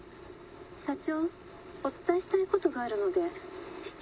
社長お伝えしたい事があるので至急